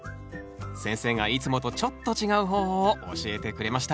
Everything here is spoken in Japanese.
先生がいつもとちょっと違う方法を教えてくれました